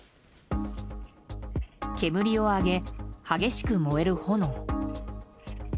煙を上げ激しく燃える炎。